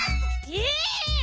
え！